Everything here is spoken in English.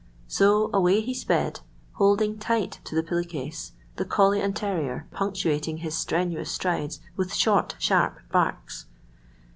So away he sped, holding tight to the pillow case, the collie and terrier punctuating his strenuous strides with short, sharp barks.